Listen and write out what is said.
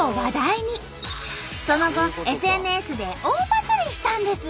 その後ＳＮＳで大バズリしたんです！